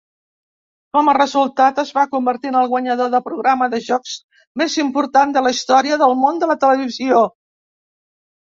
Com a resultat, es va convertir en el guanyador de programa de jocs més important de la història del món de la televisió.